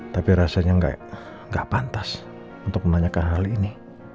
tapi rasanya nggak pantas untuk menanyakan hal ini